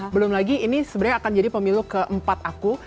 belum lagi ini sebenarnya akan jadi pemilu keempat aku